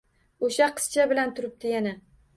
O’sha qizcha bilan turibdi yana.